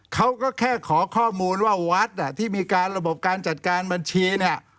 เขาก็แค่ขอข้อมูลว่าวัดที่มีการระบบการจัดการบัญชีเนี่ย